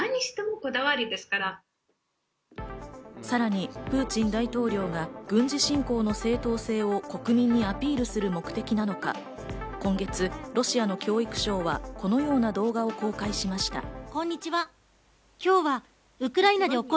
さらにプーチン大統領が軍事侵攻の正当性を国民にアピールする目的なのか、今月、ロシアの教育省はこのような動画を公開しました。